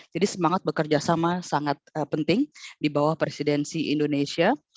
jadi semangat bekerjasama sangat penting di bawah presidensi indonesia